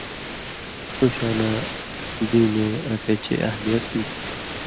ݜُو شاناں دینے اسے چئ اہمیت دی چھی۔